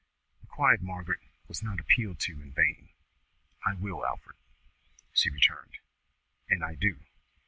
The quiet Margaret was not appealed to in vain. "I will, Alfred," she returned, "and I do.